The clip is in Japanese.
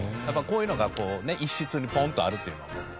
やっぱこういうのがこうね一室にポンとあるっていうのも。